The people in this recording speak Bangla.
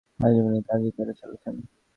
সারা জীবন ও এই কাজই করে চলেছে।